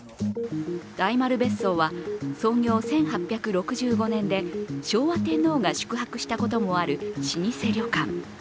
大丸別荘は、創業１８６５年で昭和天皇が宿泊したこともある老舗旅館。